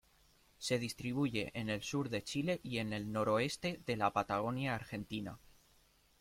Se distribuye en el sur de Chile y el noroeste de la Patagonia argentina.